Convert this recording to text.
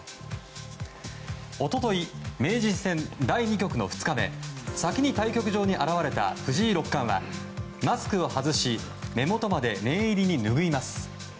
一昨日名人戦第２局の２日目先に対局場に現れた藤井六冠はマスクを外し目元まで念入りにぬぐいます。